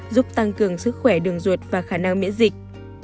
giúp tăng cường sức khỏe đường ruột và khả năng miễn dịch